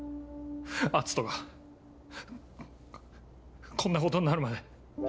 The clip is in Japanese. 篤斗がこんなことになるまで。